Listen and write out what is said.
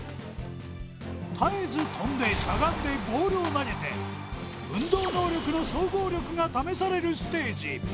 絶えず跳んでしゃがんでボールを投げて運動能力の総合力が試されるステージ